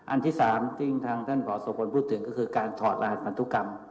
อันที่๓ที่ท่านเฮียพอร์ตส่วนพูดถึงก็คือการถอดหลายรหัสปันทุกรรม